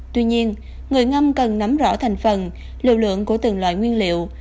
tuy nhiên người ngâm cần nắm rõ thành phần liều lượng của từng loại nguyên liệu